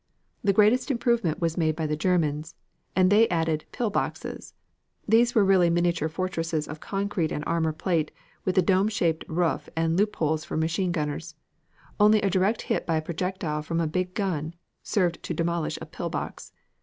The greatest improvement was made by the Germans, and they added "pill boxes." These were really miniature fortresses of concrete and armor plate with a dome shaped roof and loopholes for machine gunners. Only a direct hit by a projectile from a big gun served to demolish a "pill box."